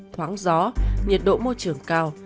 thoáng gió nhiệt độ môi trường cao